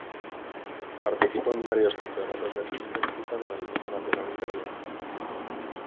Participó en varios campeonatos del mundo en ruta con el equipo nacional italiano.